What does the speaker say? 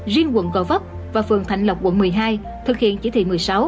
riêng quận gò vấp và phường thạnh lộc quận một mươi hai thực hiện chỉ thị một mươi sáu